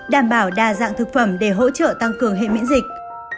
đảm bảo đa dạng thực phẩm để hỗ trợ tăng cường hệ miễn dịch